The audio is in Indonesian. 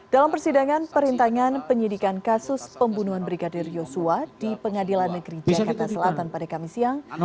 dalam persidangan perintangan penyidikan kasus pembunuhan brigadir yosua di pengadilan negeri jakarta selatan pada kamis siang